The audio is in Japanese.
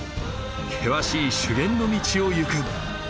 険しい修験の道を行く。